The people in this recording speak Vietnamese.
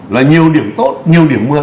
là nhiều điểm tốt nhiều điểm mưa